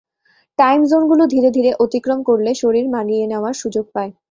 Time জোনগুলো ধীরে ধীরে অতিক্রম করলে, শরীর মানিয়ে নেওয়ার সুযোগ পায়।